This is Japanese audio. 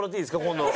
今度。